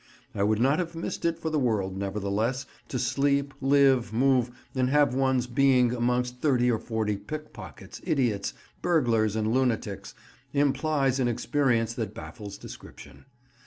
I would not have missed it for the world, nevertheless, to sleep, live, move, and have one's being amongst thirty or forty pickpockets, idiots, burglars, and lunatics, implies an experience that baffles description.